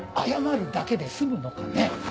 謝るだけで済むのかね？